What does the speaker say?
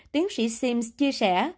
tiến sĩ sims chia sẻ